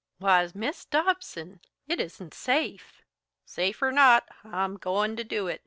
"Why, Mis' Dobson, it isn't safe!" "Safe or not, I'm goin' to do it.